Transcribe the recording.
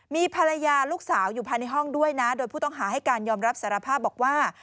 มีภรรยาลูกสาวอยู่ภายในห้องด้วยนะโดยผู้ต้องหาให้การยอมรับสารภาพบอกว่า